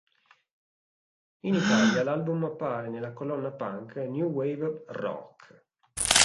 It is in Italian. In Italia l'album appare nella collana punk "New Wave Rock".